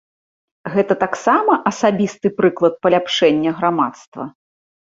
Гэта таксама асабісты прыклад паляпшэння грамадства?